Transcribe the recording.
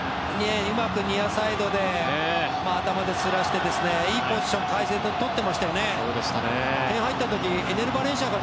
うまくニアサイドで頭ですらしていいポジションをとってましたよね、カイセド。